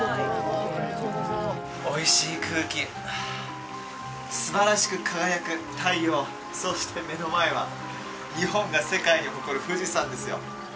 おいしい空気すばらしく輝く太陽そして目の前は日本が世界に誇る富士山ですよ